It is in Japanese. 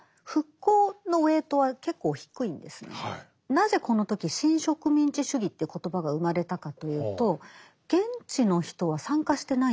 なぜこの時新植民地主義という言葉が生まれたかというと現地の人は参加してないんですよ